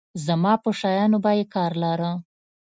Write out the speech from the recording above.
زما په شيانو به يې کار لاره.